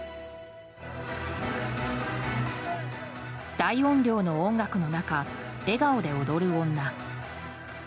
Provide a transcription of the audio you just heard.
大音量の音楽の中笑顔で踊る女。